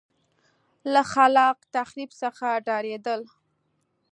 له خلاق تخریب څخه ډارېدل.